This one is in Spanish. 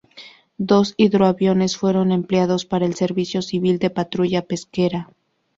Dos hidroaviones fueron empleados para el servicio civil de patrulla pesquera.